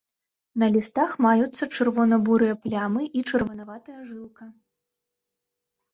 На лістах маюцца чырвона-бурыя плямы і чырванаватая жылка.